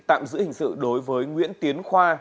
tạm giữ hình sự đối với nguyễn tiến khoa